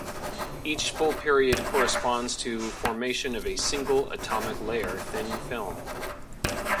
Each full period corresponds to formation of a single atomic layer thin film.